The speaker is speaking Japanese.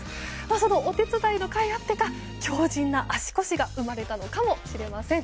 そのお手伝いのかいあってか強靭な足腰が生まれたのかもしれません。